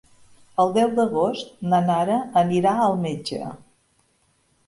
El deu d'agost na Nara anirà al metge.